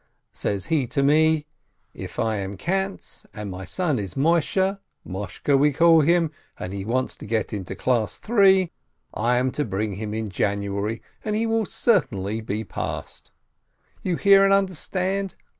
Says he to me, if 1 am Katz, and my son is Moisheh, Moshke we call him, and he wants to get into class three, I am to bring him in January, and he will certainly be passed. You hear and understand?